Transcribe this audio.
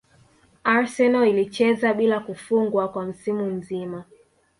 Arsenal ilicheza bila kufungwa kwa msimu mzima